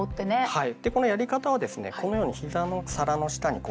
はい。